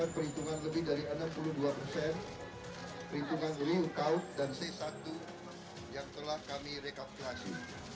perhitungan real count dan c satu yang telah kami rekapitasi